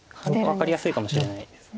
分かりやすいかもしれないです。